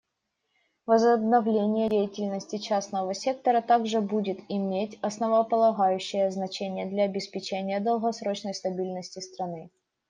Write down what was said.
Возобновление деятельности частного сектора также будет иметь основополагающее значение для обеспечения долгосрочной стабильности страны.